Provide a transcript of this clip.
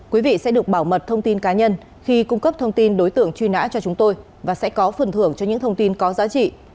quý vị sẽ được bảo mật thông tin cá nhân khi cung cấp thông tin đối tượng truy nã cho chúng tôi và sẽ có phần thưởng cho những thông tin có giá trị